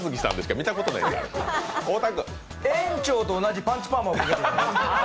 園長と同じパンチパーマをかける。